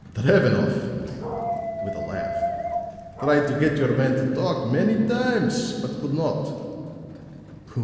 Drevenoff," with a laugh, "tried to get your man to talk many times, but could not."